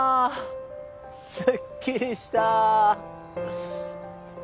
すっきりした！